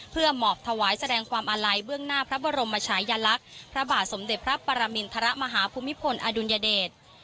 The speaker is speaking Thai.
เพื่อหมอบถวายแสดงความอาลัยเบื้องหน้าพระบรมชายลักษณ์พระบาทสมเด็จพระปรมินทรมาฮภูมิพลอดุลยเดช